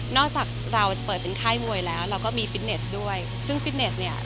จากเราจะเปิดเป็นค่ายมวยแล้วเราก็มีฟิตเนสด้วยซึ่งฟิตเนสเนี่ย